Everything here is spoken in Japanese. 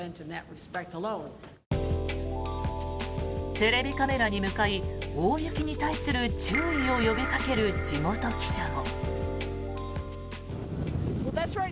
テレビカメラに向かい大雪に対する注意を呼びかける地元記者も。